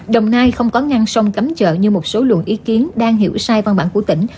đồng nai không có ngăn sông cắm chợ như một số luận ý kiến đang hiểu sai văn bản của tỉnh